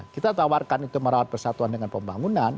kita tawarkan itu merawat persatuan dengan pembangunan